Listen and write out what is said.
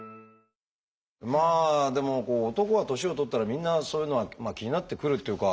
まあでも男が年を取ったらみんなそういうのは気になってくるっていうか。